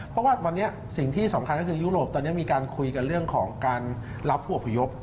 เพราะว่าวันนี้สิ่งที่สำคัญก็คือยุโรปตอนนี้มีการคุยกันเรื่องของการรับผู้อพยพ